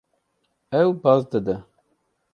Ew baz dide.